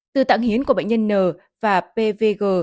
từ tạng hiến của bệnh nhân n và pvg